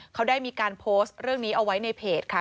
เขาได้มีการโพสต์เรื่องนี้เอาไว้ในเพจค่ะ